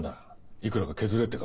いくらか削れってか？